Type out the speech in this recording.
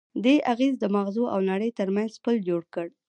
دې اغېز د ماغزو او نړۍ ترمنځ پُل جوړ کړ.